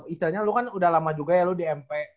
istilahnya lo kan udah lama juga ya lo di mp